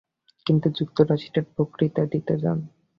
তিনি যুক্তরাষ্ট্রে বক্তৃতা দিতে যান।